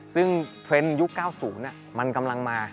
ซึ่งเทรนด์ยุค๙๐มันกำลังมา